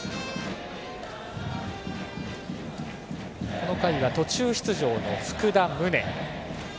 この回は途中出場の福田、宗。